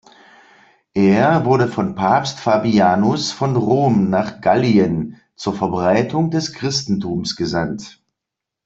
Er wurde von Papst Fabianus von Rom nach Gallien zur Verbreitung des Christentums gesandt.